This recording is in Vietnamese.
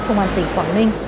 công an tỉnh quảng ninh